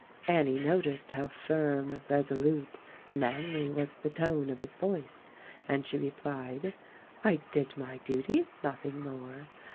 Annie noticed how firm, resolute, manly was the tone of his voice, and she replied, "I did my duty, nothing more.